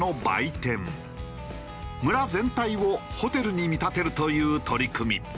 村全体をホテルに見立てるという取り組み。